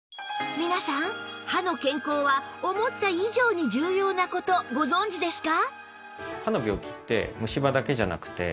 皆さん歯の健康は思った以上に重要な事ご存じですか？